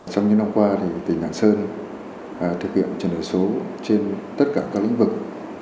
trong những năm qua tỉnh lạng sơn thực hiện chuyển đổi số trên tất cả các lĩnh vực